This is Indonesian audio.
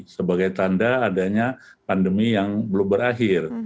sebagai tanda adanya pandemi yang belum berakhir